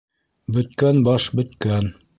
Бөткән баш -бөткән!